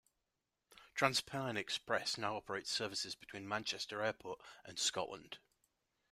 TransPennine Express now operates services between Manchester Airport and Scotland.